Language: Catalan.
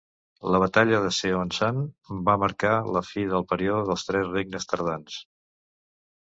La batalla de Seonsan va marcar la fi del període dels tres regnes tardans.